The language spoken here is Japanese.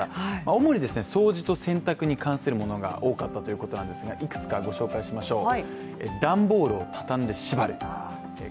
主に掃除と洗濯に関するものが多かったということですがいくつか、ご紹介しましょう。